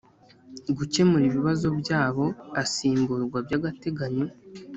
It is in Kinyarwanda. gukemura ibibazo byabo Asimburwa by agateganyo